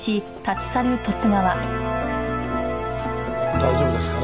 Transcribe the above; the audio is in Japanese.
大丈夫ですかね？